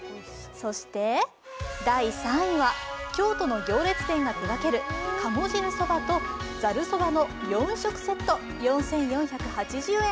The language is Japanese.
第３位は、京都の行列店が手がける、鴨汁そばとざるそばの４食セット４４８０円。